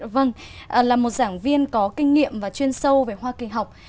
vâng là một giảng viên có kinh nghiệm và chuyên sâu về hoa kỳ học